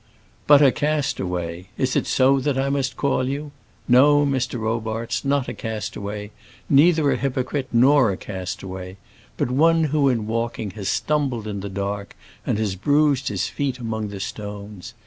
"But a castaway! Is it so that I must call you? No, Mr. Robarts, not a castaway; neither a hypocrite, nor a castaway; but one who in walking has stumbled in the dark and bruised his feet among the stones.